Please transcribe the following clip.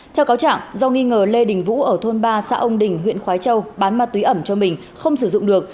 theo cáo trạng do nghi ngờ lê đình vũ ở thôn ba xã ông đình huyện khói châu bán ma túy ẩm cho mình không sử dụng được